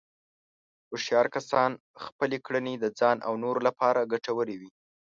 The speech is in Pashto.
هوښیار کسان خپلې کړنې د ځان او نورو لپاره ګټورې وي.